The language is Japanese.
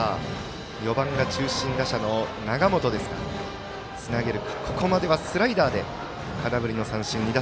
４番が中心打者の永本ですがつなげるか。